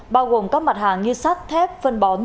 bao gồm các mặt hàng như sắt thép phân bón